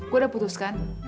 gue udah putuskan